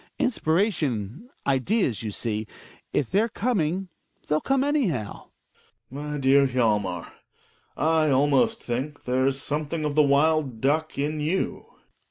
Inspiration, ideas, you see — if they're coming they'll come anyhow. Gregers. My dear Hjalmar, I almost think there's , something of the wild duck in you.